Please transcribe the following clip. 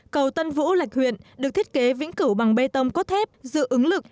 cầu tân vũ lạch huyện được thiết kế vĩnh cửu bằng bê tông có thép dự ứng lực